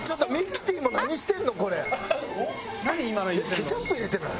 ケチャップ入れてない？